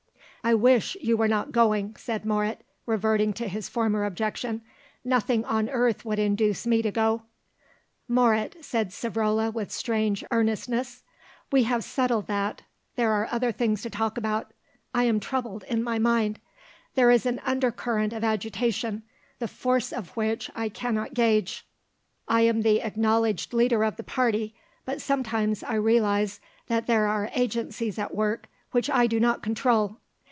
"I wish you were not going," said Moret, reverting to his former objection; "nothing on earth would induce me to go." "Moret," said Savrola with strange earnestness, "we have settled that; there are other things to talk about. I am troubled in my mind. There is an undercurrent of agitation, the force of which I cannot gauge. I am the acknowledged leader of the party, but sometimes I realise that there are agencies at work, which I do not control.